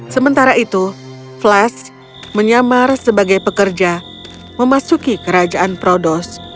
sementara itu flash menyamar sebagai pekerja memasuki kerajaan prodos